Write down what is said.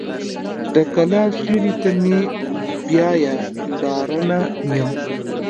د کلا سیوري ته مې مه بیایه ډارنه یم.